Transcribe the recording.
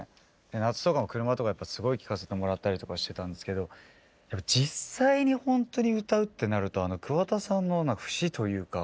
夏とかも車とかですごい聴かせてもらったりとかしてたんですけど実際にほんとに歌うってなると桑田さんの節というか。